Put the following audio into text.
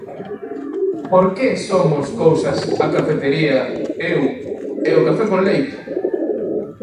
¿por que somos cousas a cafetería, eu, e o café con leite?